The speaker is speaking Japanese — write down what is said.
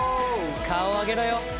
顔上げろよ。